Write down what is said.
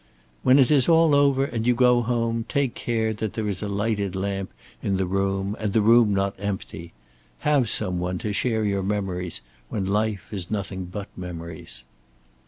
"When it is all over, and you go home, take care that there is a lighted lamp in the room and the room not empty. Have some one to share your memories when life is nothing but memories."